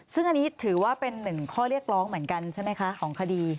ซึ่งอันนี้ถือว่าเป็นหนึ่งข้อเรียกร้องเหมือนกันใช่ไหมคะของคดี